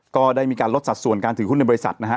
ก็ได้มีการลดสัดส่วนการถือหุ้นในบริษัทนะฮะ